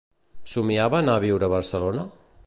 Somiava anar a viure a Barcelona?